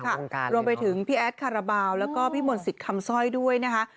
คุณเอกพศวงหน้าค่ะรวมไปถึงพี่แอดคาราบาวแล้วก็พี่หม่นสิทธิ์คำซ่อยด้วยนะฮะ